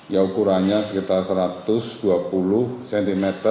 ya ukurannya sekitar satu ratus dua puluh cm